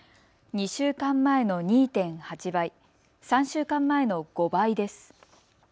２週間前の２．８倍、３週間前の５倍です。